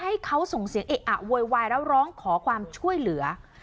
ให้เขาส่งเสียงเอะอะโวยวายแล้วร้องขอความช่วยเหลือ